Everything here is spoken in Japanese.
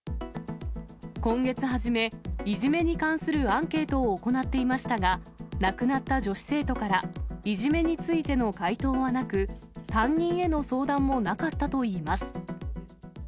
今月初め、いじめに関するアンケートを行っていましたが、亡くなった女子生徒からいじめについての回答はなく、担任への相談もなかったといいます。